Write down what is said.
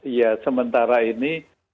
ya sementara ini